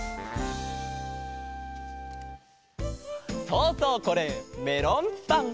そうそうこれメロンパン。